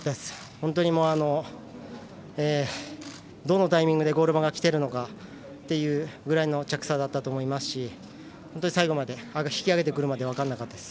本当に、どのタイミングでゴール馬がきているのかっていうぐらいの着差だったと思いましたし最後まで、引き揚げてくるまで分からなかったです。